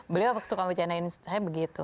beliau suka mempercayainya saya begitu